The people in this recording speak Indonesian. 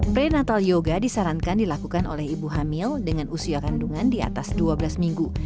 prenatal yoga disarankan dilakukan oleh ibu hamil dengan usia kandungan di atas dua belas minggu